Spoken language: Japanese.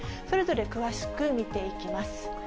それぞれ詳しく見ていきます。